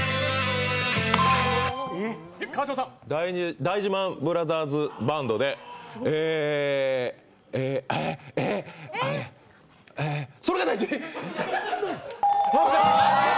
大事ＭＡＮブラザーズバンドで「それが大事」。